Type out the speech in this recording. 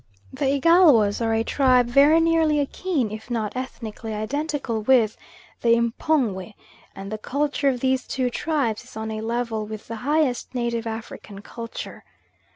The Igalwas are a tribe very nearly akin, if not ethnically identical with, the M'pongwe, and the culture of these two tribes is on a level with the highest native African culture.